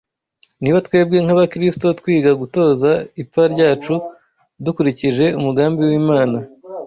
niba twebwe nk’Abakristo twiga gutoza ipfa ryacu dukurikije umugambi w’Imana